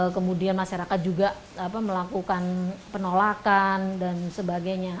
kemudian masyarakat juga melakukan penolakan dan sebagainya